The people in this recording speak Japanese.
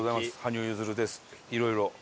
いろいろ。